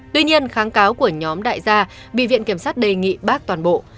tuy nhiên kháng cáo của nhóm đại gia bị viện kiểm sát đề nghị bác toàn bộ